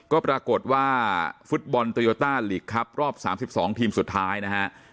ก็ปรากฏว่าฟุตบอลโตโยต้าลีกครับรอบ๓๒ทีมสุดท้ายนะฮะ